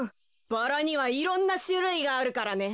バラにはいろんなしゅるいがあるからね。